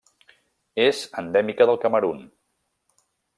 És endèmica del Camerun.